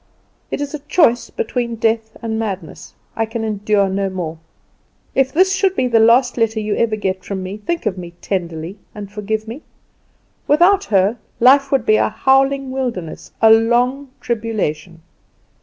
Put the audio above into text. "It is a choice between death and madness. I can endure no more. If this should be the last letter you ever get from me, think of me tenderly, and forgive me. Without her, life would be a howling wilderness, a long tribulation.